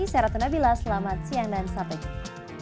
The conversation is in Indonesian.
saya ratna bila selamat siang dan sampai jumpa